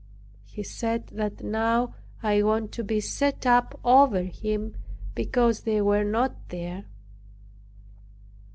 He said that now I wanted to be set up over him because they were not there.